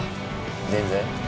全然。